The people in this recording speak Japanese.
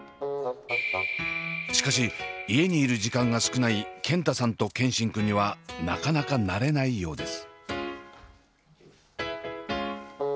しかし家にいる時間が少ない健太さんと健新くんにはなかなか慣れないようです。